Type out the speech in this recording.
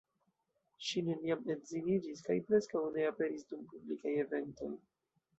Ŝi neniam edziniĝis kaj preskaŭ ne aperis dum publikaj eventoj.